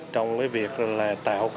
trong việc tạo